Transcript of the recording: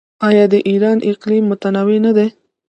آیا د ایران اقلیم متنوع نه دی؟